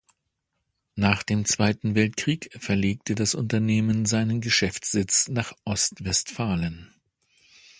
Nach dem Zweiten Weltkrieg verlegte das Unternehmen seinen Geschäftssitz nach Ostwestfalen.